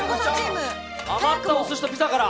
余ったお寿司とピザから。